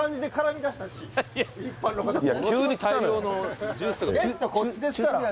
ゲストこっちですから。